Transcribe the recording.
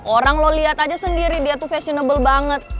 orang lo lihat aja sendiri dia tuh fashionable banget